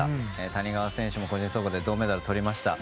谷川選手も個人総合で銅メダルをとりました。